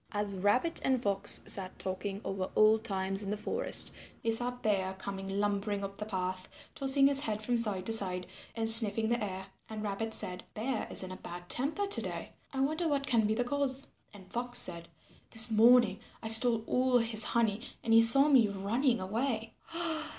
As Rabbit and Fox sat talking over old times in the forest, they saw Bear coming lumbering up the path, tossing his head from side to side, and sniffing the air. And Rabbit said, "Bear is in a bad temper to day. I wonder what can be the cause." And Fox said, "This morning I stole all his honey and he saw me running away."